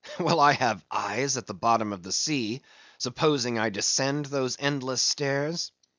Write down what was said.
Will I have eyes at the bottom of the sea, supposing I descend those endless stairs?